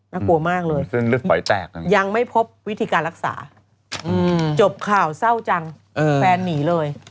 น่ากลัวมากเลยยังไม่พบวิธีการรักษาจบข่าวเศร้าจังแฟนหนีเลย